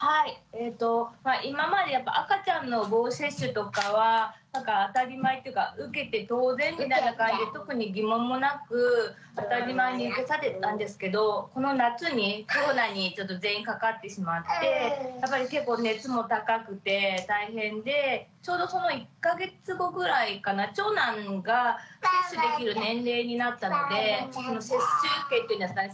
まあ今までやっぱ赤ちゃんの予防接種とかはなんか当たり前っていうか受けて当然みたいな感じで特に疑問もなく当たり前に受けさせてたんですけどこの夏にコロナにちょっと全員かかってしまってやっぱり結構熱も高くて大変でちょうどその１か月後ぐらいかな長男が接種できる年齢になったので接種券っていうんですかね